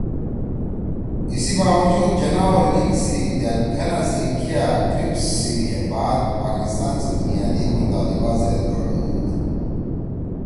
ایِسی باوجود جناح او لیگ سی دأل گھنا سی کیا کرِپس سی ہے بات پاکستان سی بنیادی مطالبہ زید گھڑُودُود